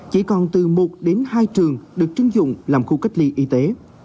chỉ còn từ một đến hai trường được chưng dụng làm khu cách ly y tế